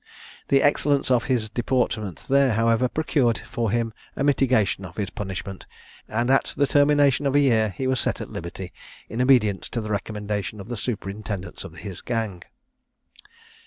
The excellence of his deportment there, however, procured for him a mitigation of his punishment, and at the termination of a year he was set at liberty, in obedience to the recommendation of the superintendants of his gang.